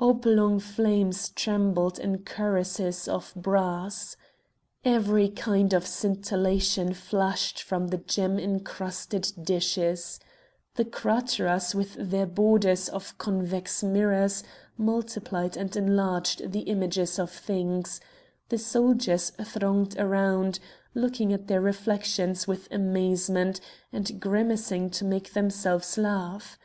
Oblong flames trembled in cuirasses of brass. Every kind of scintillation flashed from the gem incrusted dishes. The crateras with their borders of convex mirrors multiplied and enlarged the images of things; the soldiers thronged around, looking at their reflections with amazement, and grimacing to make themselves laugh.